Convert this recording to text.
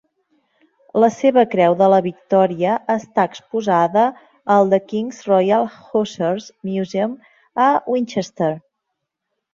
La seva Creu de la Victòria està exposada al The King's Royal Hussars Museum, a Winchester.